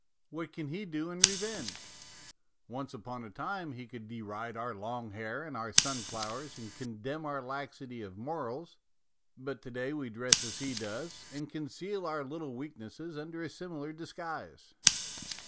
What can he do in revenge? Once upon a time he could deride our long hair and our sunflowers and condemn our laxity of morals, but to day we dress as he does, and conceal our little weaknesses under a similar disguise.